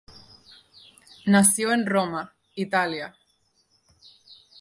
Nació en Roma, Italia.